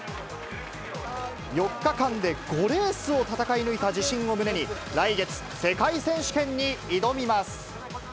４日間で５レースを戦い抜いた自信を胸に、来月、世界選手権に挑みます。